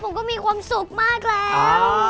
ผมก็มีความสุขมากแล้ว